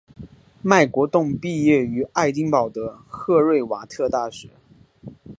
麦国栋毕业于爱丁堡的赫瑞瓦特大学。